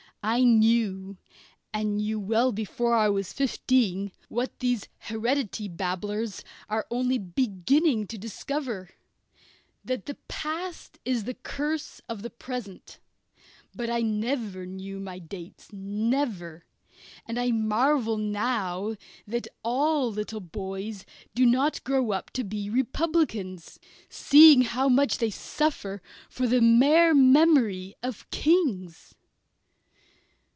I knew, and knew well before I was fifteen, what these "heredity" babblers are only beginning to discover that the past is the curse of the present. But I never knew my dates never. And I marvel now that all little boys do not grow up to be Republicans, seeing how much they suffer for the mere memory of Kings.